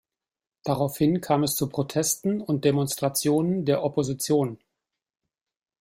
Daraufhin kam es zu Protesten und Demonstrationen der Opposition.